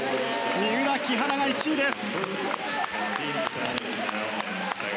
三浦、木原が１位です！